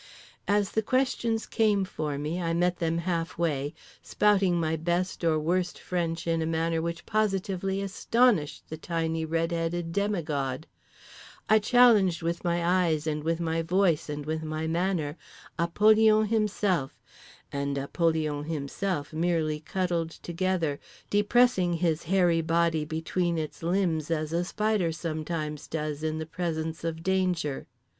As the questions came for me I met them half way, spouting my best or worst French in a manner which positively astonished the tiny red headed demigod. I challenged with my eyes and with my voice and with my manner Apollyon Himself, and Apollyon Himself merely cuddled together, depressing his hairy body between its limbs as a spider sometimes does in the presence of danger.